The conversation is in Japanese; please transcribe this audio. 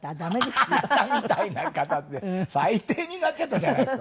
「あなたみたいな方」って最低になっちゃったじゃないですか。